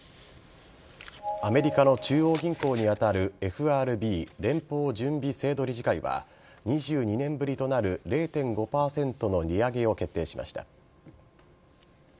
アメリカの中央銀行に当たるＦＲＢ＝連邦準備制度理事会は２２年ぶりとなる０．５％の利上げを決定しました。